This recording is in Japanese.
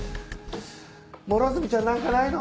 両角ちゃん何かないの？